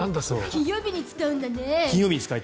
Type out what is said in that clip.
金曜日に使うんだね。